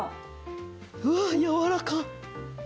うわやわらかっ！